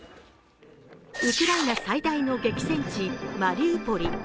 ウクライナ最大の激戦地マリウポリ。